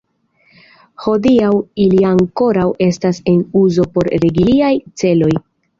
Hodiaŭ ili ankoraŭ estas en uzo por religiaj celoj.